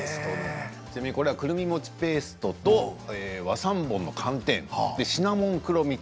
ちなみにこれはくるみ餅ペーストと和三盆の寒天シナモン黒蜜